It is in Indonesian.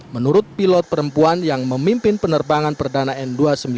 menurut pilot perempuan yang memimpin penerbangan perdana n dua ratus sembilan puluh